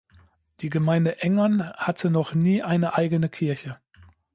Die Gemeinde Engern hatte noch nie eine eigene Kirche.